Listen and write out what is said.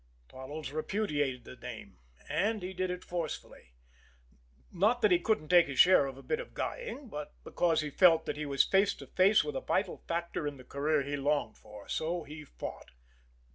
Toddles repudiated the name, and did it forcefully. Not that he couldn't take his share of a bit of guying, but because he felt that he was face to face with a vital factor in the career he longed for so he fought.